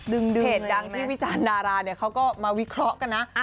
เพจดังที่วิจารณ์ดาราเนี่ยเขาก็มาวิเคราะห์กันนะ